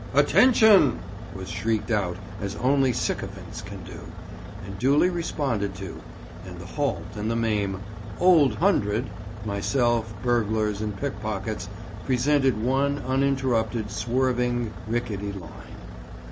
"Attention!" was shrieked out as only sycophants can do, and duly responded to; and the halt and the maim, "Old Hundred," myself, burglars, and pickpockets, presented one uninterrupted, swerving, rickety line.